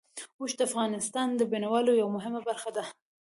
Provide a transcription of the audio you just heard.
اوښ د افغانستان د بڼوالۍ یوه مهمه برخه ده.